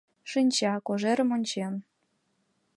Шинча, кожерым ончен.